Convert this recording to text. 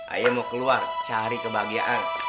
ayo mau keluar cari kebahagiaan